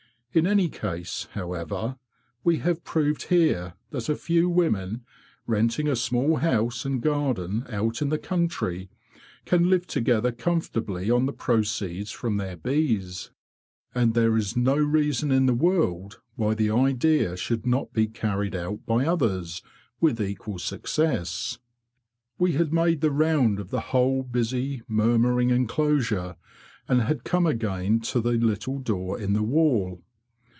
In any case, however, we have proved here that a few women, renting a small house and garden out in the country, can live together comfortably on the proceeds from their bees; and there is no reason in the world why the idea should not be carried out by others with equal success." We had made the round of the whole busy, CHLOE AMONG THE BEES 43 murmuring enclosure, and had come again to the little door in the wall.